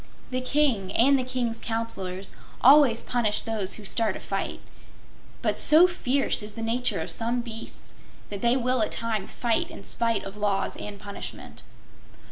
The King and the King's Counselors always punish those who start a fight, but so fierce is the nature of some beasts that they will at times fight in spite of laws and punishment.